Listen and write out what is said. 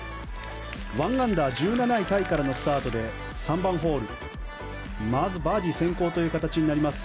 １アンダー１７位タイからのスタートで３番ホールまずバーディー先行という形になります。